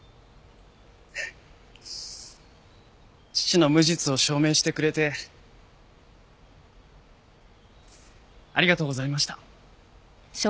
父の無実を証明してくれてありがとうございました。